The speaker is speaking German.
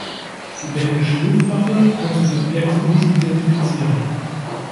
Die belgische Luftwaffe konnte die Objekte nicht identifizieren.